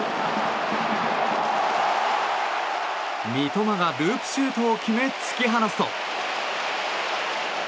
三笘がループシュートを決め突き放すと。